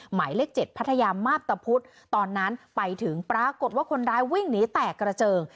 หมายเลข๗พัทยามาพตะพุธตอนนั้นไปถึงปรากฏว่าคนร้ายวิ่งหนีแตกกระเจิง